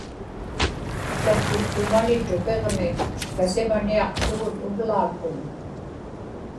tatpiktumani tupiġmi kasimaniaqtugut uvlaakun